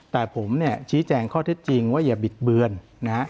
แต่ผมเนี่ยชี้แจงข้อเท็จจริงว่าอย่าบิดเบือนนะฮะ